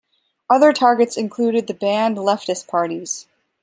Other targets included the banned leftist parties.